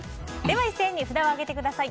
一斉に札を上げてください。